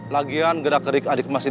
lagian gerak gerik adik mas ini